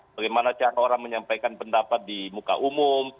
bagaimana cara orang menyampaikan pendapat di muka umum